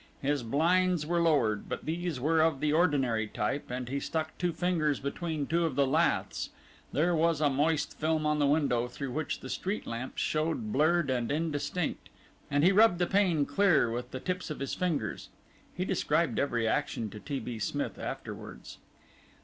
His blinds were lowered, but these were of the ordinary type, and he stuck two fingers between two of the laths. There was a moist film on the window through which the street lamps showed blurred and indistinct, and he rubbed the pane clear with the tips of his fingers (he described every action to T. B. Smith afterwards).